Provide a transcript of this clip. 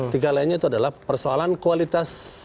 tiga lainnya itu adalah persoalan kualitas